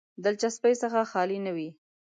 دلچسپۍ څخه خالي نه وي.